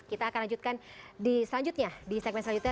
kita akan lanjutkan di segmen selanjutnya